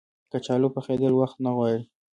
کچالو پخېدل وخت نه غواړي